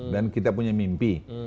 dan kita punya mimpi